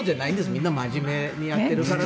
みんな真面目にやっているからこそ。